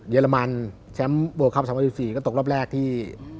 เยอรมันแชมป์เวิร์ดคลับ๒๐๑๔ก็ตกรอบแรกที่๒๐๑๘